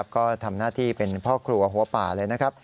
ก็ทำหน้าที่เป็นพ่อครัวหัวป่าเลยนะครับ